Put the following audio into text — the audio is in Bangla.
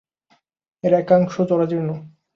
এর একাংশ জরাজীর্ণ।